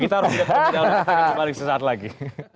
kita runggit kembali sesaat lagi